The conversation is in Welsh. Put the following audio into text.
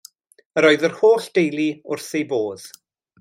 Yr oedd yr holl deulu wrth eu bodd.